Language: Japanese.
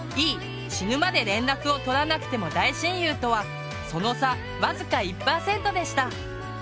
「死ぬまで連絡をとらなくても大親友」とはその差僅か１％でした。